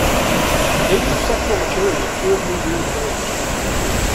They reach sexual maturity at two or three years of age.